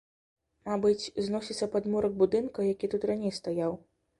Мабыць, зносіцца падмурак будынка, які тут раней стаяў.